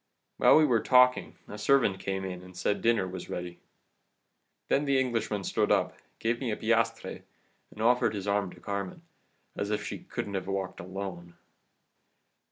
"While we were talking a servant came in and said dinner was ready. Then the Englishman stood up, gave me a piastre, and offered his arm to Carmen, as if she couldn't have walked alone.